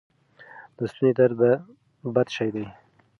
د ستوني درد بد شی دی.